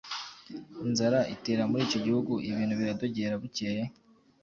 inzara itera muri icyo gihugu, ibintu biradogera. Bukeye,